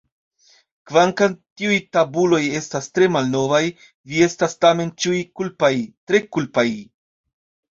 Kvankam tiuj tabuloj estas tre malnovaj, vi estas tamen ĉiuj kulpaj, tre kulpaj.